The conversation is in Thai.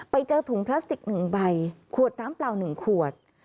ไปเจอถุงพลาสติกหนึ่งใบขวดน้ำเปล่าหนึ่งขวด